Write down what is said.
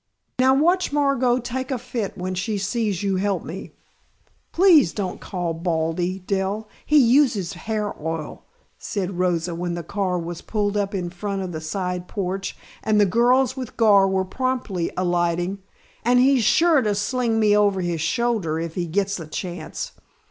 "Now watch Margot take a fit when she sees you help me please don't call Baldy, Dell, he uses hair oil," said Rosa, when the car was pulled up in front of the side porch and the girls with Gar were promptly alighting, "and he's sure to sling me over his shoulder, if he gets the chance."